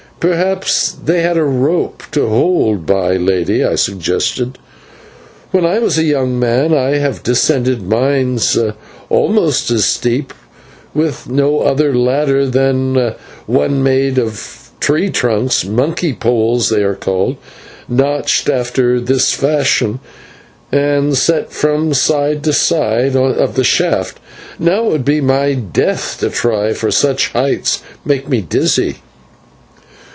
"Perhaps they had a rope to hold by, lady," I suggested. "When I was a young man I have descended mines almost as steep, with no other ladder than one made of tree trunks monkey poles they are called notched after this fashion, and set from side to side of the shaft, but now it would be my death to try, for such heights make me dizzy."